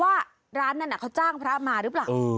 ว่าร้านนั้นเขาจ้างพระมาหรือเปล่า